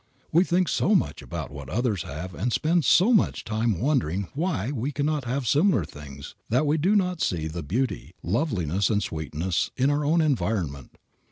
We think so much about what others have and spend so much time wondering why we cannot have similar things that we do not see the beauty, loveliness and sweetness in our own environment.